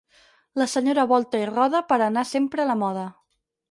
La senyora volta i roda per anar sempre a la moda.